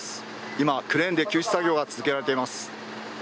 今、クレーンで救出作業が続けられています。